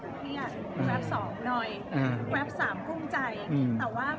กับผลกระทบที่เกิดขึ้นกับคุณคู่นะคะมีอะไรบ้าง